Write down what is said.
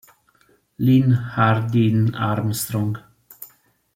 Lil Hardin Armstrong